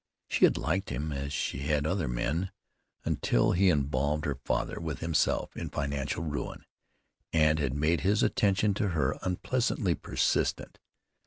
She had liked him, as she had other men, until he involved her father, with himself, in financial ruin, and had made his attention to her unpleasantly persistent.